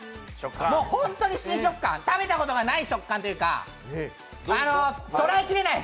ホントに新食感、食べたことがない食感というか、あのとらえきれない！